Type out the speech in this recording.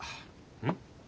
うん？